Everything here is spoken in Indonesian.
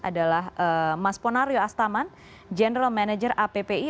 adalah mas ponario astaman general manager appi